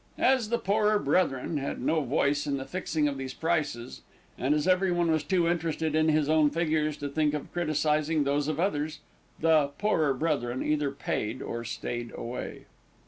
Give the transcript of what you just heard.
As the "poorer brethren" had no voice in the fixing of these prices, and as everyone was too interested in his own figures to think of criticising those of others, the "poorer brethren" either paid, or stayed away.